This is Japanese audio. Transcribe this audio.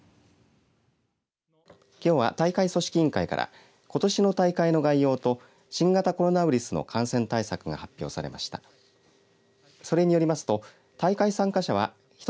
きょうは、大会組織委員会からことしの大会の概要と新型コロナウイルスの感染対策が発表されました。